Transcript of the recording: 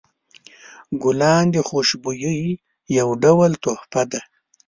ګلان د خوشبویۍ یو ډول تحفه ده.